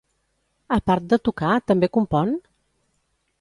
A part de tocar, també compon?